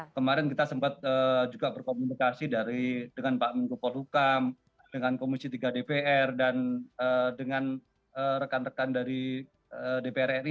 kemarin kita sempat juga berkomunikasi dengan pak menko polhukam dengan komisi tiga dpr dan dengan rekan rekan dari dpr ri